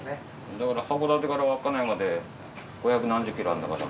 だから函館から稚内まで５００何十キロあるんだから。